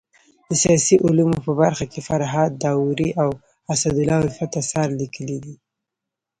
د سیاسي علومو په برخه کي فرهاد داوري او اسدالله الفت اثار ليکلي دي.